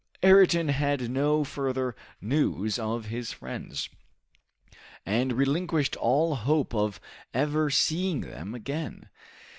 Ayrton had no further news of his friends, and relinquished all hope of ever seeing them again.